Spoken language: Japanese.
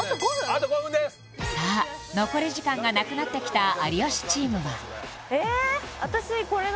あと５分ですさあ残り時間がなくなってきた有吉チームはえーっ